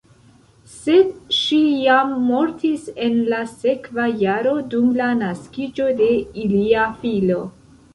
Sed ŝi jam mortis en la sekva jaro dum la naskiĝo de ilia filo.